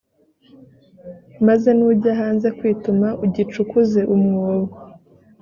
maze nujya hanze kwituma, ugicukuze umwobo,